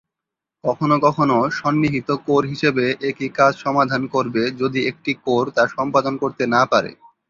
কখনো কখনো সন্নিহিত কোর হিসেবে একই কাজ সমাধান করবে যদি একটি কোর তা সম্পাদন করতে না পারে।